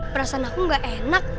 perasaan aku gak enak